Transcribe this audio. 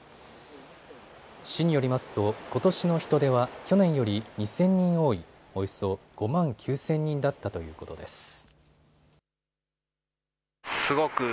市によりますと、ことしの人出は去年より２０００人多いおよそ５万９０００人だったということです。